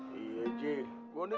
bersih semua kebutuhan che